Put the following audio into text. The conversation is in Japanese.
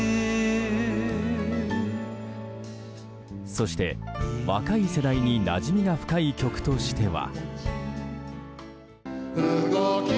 そして、若い世代になじみが深い曲としては。